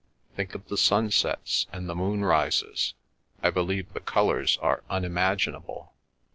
Think of the sunsets and the moonrises—I believe the colours are unimaginable."